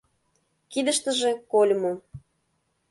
Кидыштыже — кольмо.